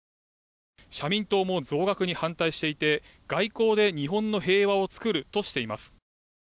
社民党も増額に反対していて外交で日本の平和を作るとしています。